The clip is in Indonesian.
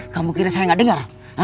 kamu kira saya gak dengar